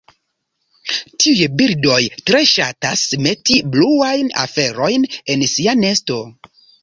Tiuj birdoj tre ŝatas meti bluajn aferojn en sia nesto.